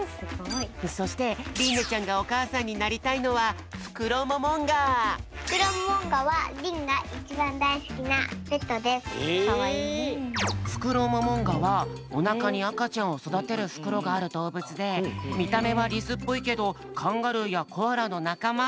そしてりんねちゃんがおかあさんになりたいのはフクロモモンガはりんがフクロモモンガはおなかにあかちゃんをそだてるふくろがあるどうぶつでみためはリスっぽいけどカンガルーやコアラのなかま。